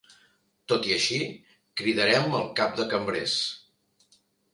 Tot i així, cridarem el cap de cambrers.